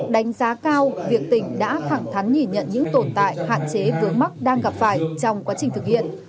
đánh giá cao việc tỉnh đã thẳng thắn nhìn nhận những tồn tại hạn chế vướng mắc đang gặp phải trong quá trình thực hiện